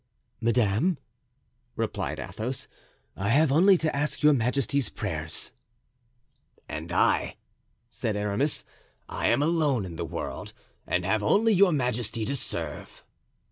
"Madame," replied Athos, "I have only to ask your majesty's prayers." "And I," said Aramis, "I am alone in the world and have only your majesty to serve."